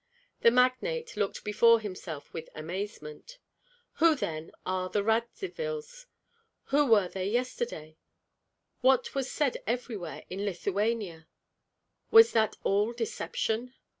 The magnate looked before himself with amazement. Who then are the Radzivills? Who were they yesterday? What was said everywhere in Lithuania? Was that all deception?